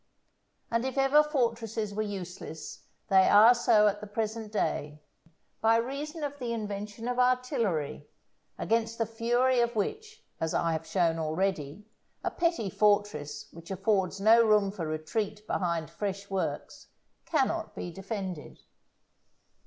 And if ever fortresses were useless they are so at the present day, by reason of the invention of artillery, against the fury of which, as I have shown already, a petty fortress which affords no room for retreat behind fresh works, cannot be defended.